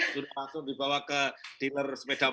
sudah langsung dibawa ke dinner sepeda motor